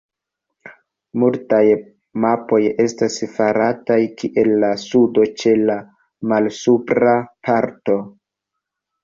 Multaj mapoj estas farataj kiel la sudo ĉe la malsupra parto.